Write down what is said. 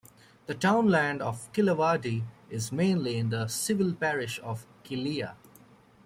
The townland of Killawardy is mainly in the civil parish of Killea.